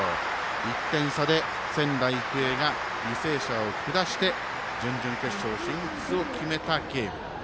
１点差で、仙台育英が履正社を下して準々決勝進出を決めたゲーム。